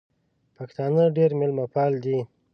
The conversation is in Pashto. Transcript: پښتانه ډېر مېلمه پال دي.